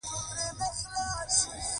دا په نژدې وختونو کې نه کېدل